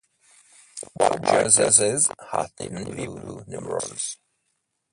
The white jerseys had navy blue numerals.